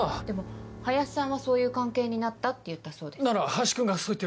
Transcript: でも林さんは「そういう関係になった」って言ったそうです。